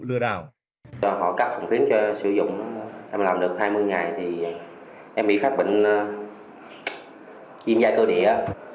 họ cắt hồng phiến cho sử dụng em làm được hai mươi ngày thì em bị phát bệnh diêm giai cơ địa